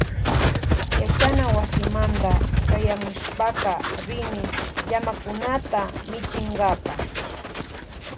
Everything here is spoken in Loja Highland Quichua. Yachana wasimanta chayamushpaka rini llamakunata michinkapa.